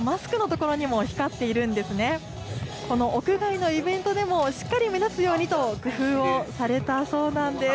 この屋外のイベントでも、しっかり目立つようにと、工夫をされたそうなんです。